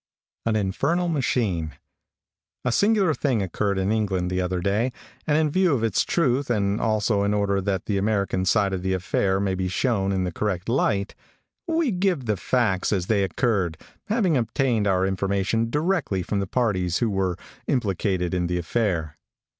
AN INFERNAL MACHINE. |A SINGULAR thing occurred in England the other day, and in view of its truth, and also in order that the American side of the affair may be shown in the correct light, we give the facts as they occurred, having obtained our information directly from the parties who were implicated in the affair.